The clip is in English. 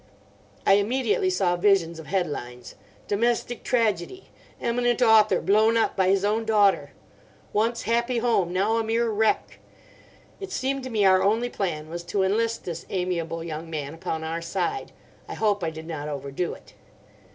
I immediately saw visions of headlines: 'Domestic Tragedy!' 'Eminent Author blown up by his own Daughter!' 'Once Happy Home now a Mere Wreck!' It seemed to me our only plan was to enlist this amiable young man upon our side; I hope I did not overdo it.